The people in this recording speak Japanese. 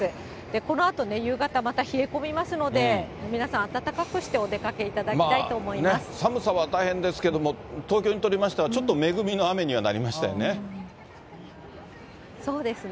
このあとね、夕方、また冷え込みますので、皆さん、暖かくしてお出かけいただきたい寒さは大変ですけれども、東京にとりましては、ちょっと恵みの雨にはなりましたよね。